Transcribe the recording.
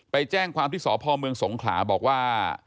ไปแจ้งความที่สพเมืองสงขลาบอกว่า